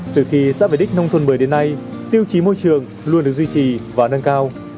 từ khi xã về đích nông thôn mới đến nay tiêu chí môi trường luôn được duy trì và nâng cao